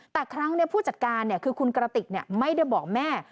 แต่ครั้งนี้ผู้จัดการคือคุณกระติกไม่ได้บอกแม่